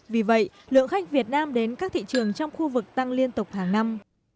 vì vậy lượng khách việt nam đến các thị trường trong khu vực tăng liên tục hàng năm